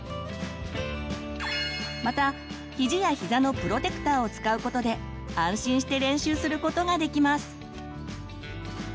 またひじやひざのプロテクターを使うことで安心して練習することができます。